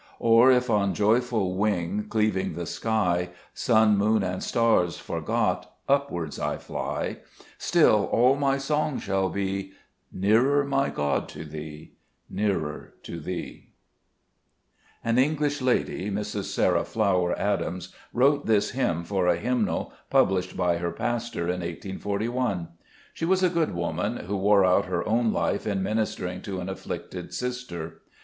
5 Or if on joyful wing Cleaving the sky, Sun, moon, and stars forgot, Upwards I fly, Still all my song shall be, Nearer, my God, to Thee, Nearer to Thee ! 23 XLbe West Cburcb 1b£mns, An English lady, Mrs. Sarah Flower Adams, wrote this hymn for a hymnal published by her pastor in 184 1. She was a good woman, who wore out her own life in minister ing to an afflicted sister.